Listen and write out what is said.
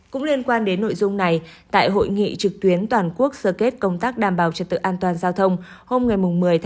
cũng liên quan đến nội dung này tại hội nghị trực tuyến toàn quốc sơ kết công tác đảm bảo trật tự an toàn giao thông hôm ngày một mươi một mươi hai nghìn hai mươi ba